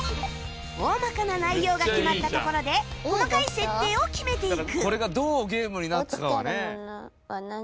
大まかな内容が決まったところで細かい設定を決めていく